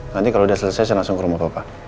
nanti kalo udah selesai saya langsung ke rumah papa